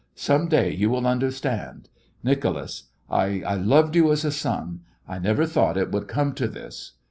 Some day you will understand. Nicholas, I I loved you as a son. I never thought it would come to this.